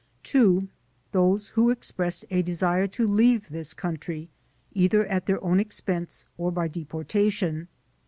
(2) Those who expressed a desire to leave this country either at their own expense or by deportation.